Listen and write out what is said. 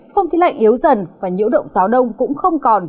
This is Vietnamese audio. không khí lạnh yếu dần và nhiễu động gió đông cũng không còn